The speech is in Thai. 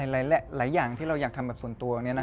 หลายอย่างที่เราอยากทำแบบส่วนตัว